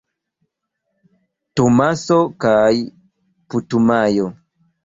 Tomaso kaj Putumajo.